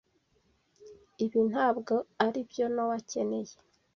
Ibi ntabwo aribyo Nowa akeneye.